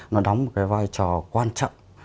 nó đóng một cái vai trò quan trọng